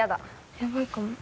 やばいかも。